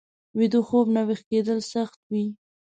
ویده خوب نه ويښ کېدل سخته وي